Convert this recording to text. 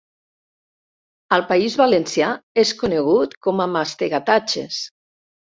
Al País Valencià és conegut com a mastegatatxes.